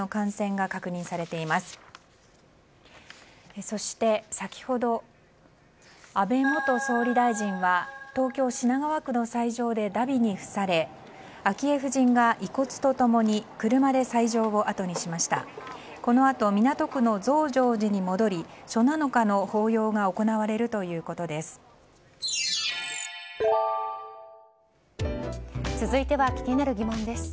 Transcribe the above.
このあと、港区の増上寺に戻り初七日の法要が行われるということです。